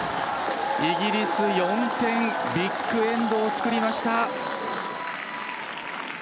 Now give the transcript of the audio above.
イギリス４点、ビッグエンドを作りました。